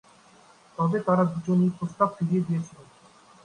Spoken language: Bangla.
তবে তারা দুজনেই প্রস্তাব ফিরিয়ে দিয়েছিলেন।